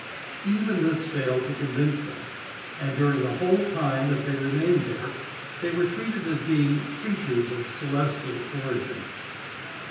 Even this failed to convince them and, during the whole time that they remained there, they were treated as being creatures of celestial origin.